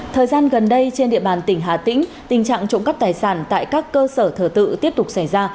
thời gian gần đây trên địa bàn tỉnh hà tĩnh tình trạng trộm cắp tài sản tại các cơ sở thờ tự tiếp tục xảy ra